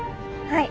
はい！